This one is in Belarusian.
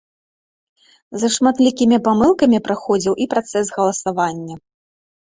З шматлікімі памылкамі праходзіў і працэс галасавання.